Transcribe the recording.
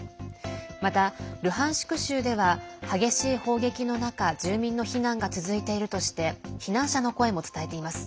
また、ルハンシク州では激しい砲撃の中住民の避難が続いているとして避難者の声も伝えています。